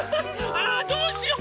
ああどうしよう！